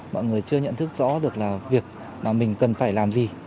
mọi người chưa nhận thức rõ được là việc mà mình cần phải làm gì